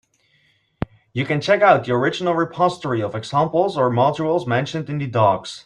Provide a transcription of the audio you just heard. You can check out the original repository of examples or modules mentioned in the docs.